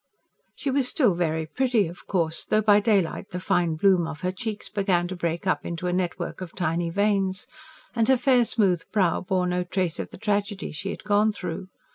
She was still very pretty of course though by daylight the fine bloom of her cheeks began to break up into a network of tiny veins and her fair, smooth brow bore no trace of the tragedy she has gone through.